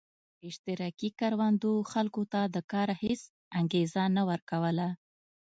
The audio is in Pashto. اشتراکي کروندو خلکو ته د کار هېڅ انګېزه نه ورکوله.